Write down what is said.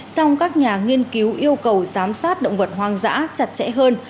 song các nhà nghiên cứu yêu cầu giám sát động vật hoang dã chặt chẽ hơn